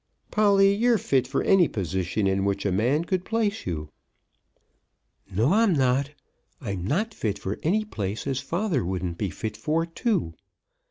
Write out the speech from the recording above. "Polly, you're fit for any position in which a man could place you." "No, I'm not. I'm not fit for any place as father wouldn't be fit for too.